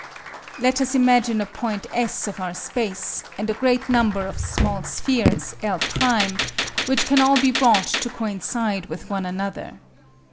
Let us imagine a point S of our space, and a great number of small spheres, L', which can all be brought to coincide with one another.